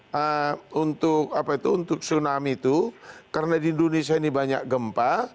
peringatan dini untuk tsunami itu karena di indonesia ini banyak gempa